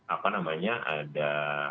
apa namanya ada